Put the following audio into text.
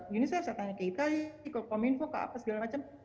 ini saya tanya ke itali ke kominfo ke apa segala macam